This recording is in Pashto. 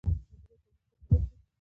ماموریت بل مشکل په دې کې وو.